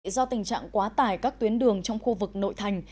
do tình trạng quá tải các tuyến đường trong khu vực nội thành